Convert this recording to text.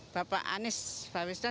bapak anies baswedan ya